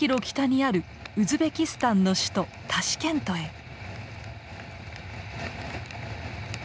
北にあるウズベキスタンの首都タシケントへ。